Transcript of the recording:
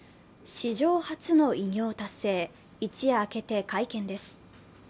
史上初の偉業達成、一夜明けて会見です。